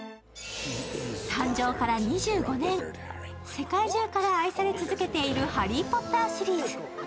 誕生から２５年、世界中から愛され続けている「ハリー・ポッター」シリーズ。